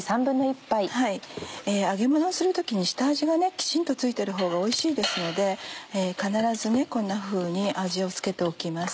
揚げものをする時に下味がきちんと付いてるほうがおいしいですので必ずこんなふうに味を付けておきます。